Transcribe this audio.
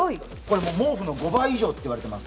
毛布の５倍以上と言われています。